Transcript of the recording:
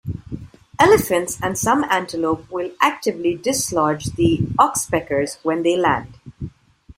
Elephants and some antelope will actively dislodge the oxpeckers when they land.